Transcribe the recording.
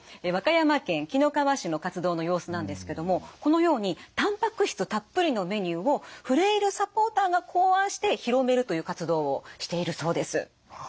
和歌山県紀の川市の活動の様子なんですけどもこのようにたんぱく質たっぷりのメニューをフレイルサポーターが考案して広めるという活動をしているそうです。